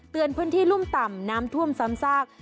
พื้นที่รุ่มต่ำน้ำท่วมซ้ำซาก